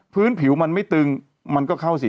พื้นผิวมันไม่ตึงมันก็เข้าสิ